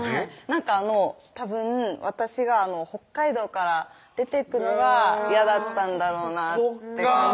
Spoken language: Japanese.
なんかたぶん私が北海道から出てくのがやだったんだろうなって感じ